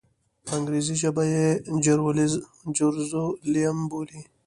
په انګریزي ژبه یې جیروزلېم بولي.